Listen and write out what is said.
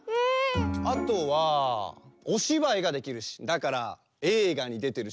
あとはおしばいができるしだからえいがにでてるし。